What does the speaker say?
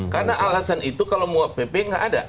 karena alasan itu kalau mau pp nggak ada